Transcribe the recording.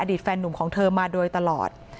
แฟนหนุ่มของเธอมาโดยตลอด